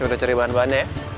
udah cari bahan bahannya